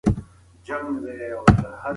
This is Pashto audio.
که سوله وي نو علم نه پاتې کیږي.